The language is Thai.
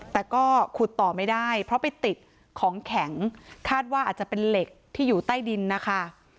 แต่ก็ขุดต่อไม่ได้เพราะไปติดของแข็งคาดว่าอาจจะเป็นเหล็กที่อยู่ใต้ดินนะคะ